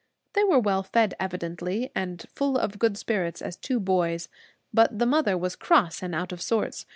They were well fed, evidently, and full of good spirits as two boys. But the mother was cross and out of sorts.